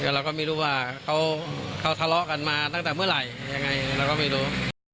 เราก็ไม่รู้ว่าเขาทะเลาะกันมาตั้งแต่เมื่อไหร่ยังไงเราก็ไม่รู้